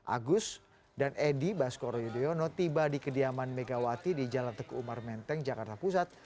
agus dan edi baskoro yudhoyono tiba di kediaman megawati di jalan teguh umar menteng jakarta pusat